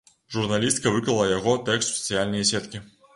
Журналістка выклала яго тэкст у сацыяльныя сеткі.